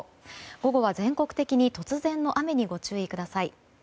午後は全国的に突然の雨にご注意ください。